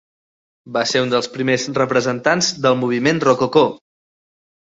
Va ser un dels primers representants del moviment rococó.